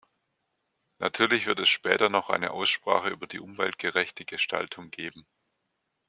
Natürlich wird es später noch eine Aussprache über die umweltgerechte Gestaltung geben.